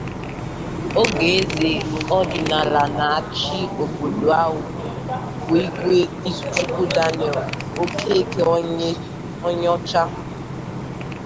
oge Eze ọdịnala na achị obodo ahụ bụ Igwe Izuchukwu Daniel Okekeonyeocha